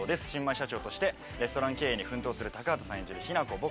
新米社長としてレストラン経営に奮闘する高畑さん演じる雛子。